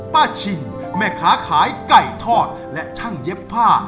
ชิงแม่ค้าขายไก่ทอดและช่างเย็บผ้า